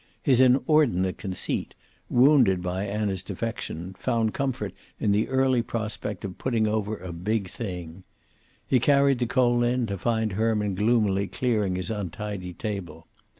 His inordinate conceit, wounded by Anna's defection, found comfort in the early prospect of putting over a big thing. He carried the coal in, to find Herman gloomily clearing his untidy table.